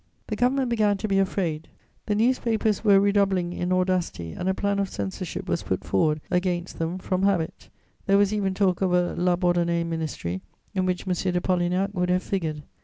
The Government began to be afraid; the newspapers were redoubling in audacity and a plan of censorship was put forward against them, from habit; there was even talk of a La Bourdonnaye Ministry, in which M. de Polignac would have figured.